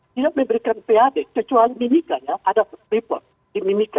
tidak memberikan pad kecuali mimika ya ada perpipuan di mimika